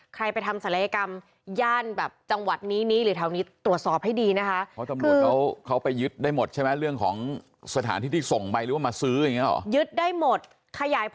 ใครไปทำศัลยกรรมย่านแบบจังหวัดนี้นี้หรือแถวนี้ตรวจสอบให้ดีนะคะ